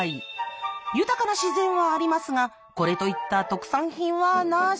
豊かな自然はありますがこれといった特産品はなし。